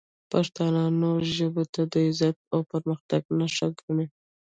پښتانه نورو ژبو ته د عزت او پرمختګ نښه ګڼي.